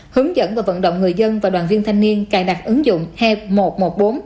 hướng dẫn và vận động người dân và đoàn viên thanh niên cài đặt ứng dụng một trăm một mươi bốn